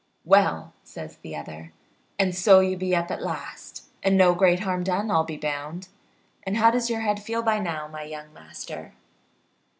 "Well," says the other, "and so you be up at last, and no great harm done, I'll be bound. And how does your head feel by now, my young master?"